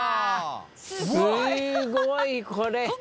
すごいこれ。